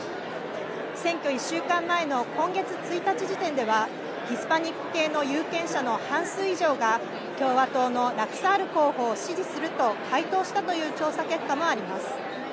選挙１週間前の今月１日時点ではヒスパニック系の有権者の半数以上が共和党のラクサール候補を支持すると回答したという調査結果もあります。